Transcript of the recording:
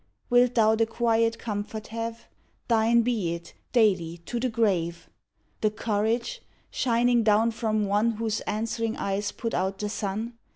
Wilt thou the quiet comfort have? Thine be it, daily, to the grave! The courage, shining down from one Whose answering eyes put out the sun?